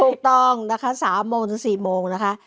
ถูกต้องนะคะ๓โมงถึง๔โมงนะคะ